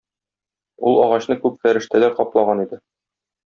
Ул агачны күп фәрештәләр каплаган иде.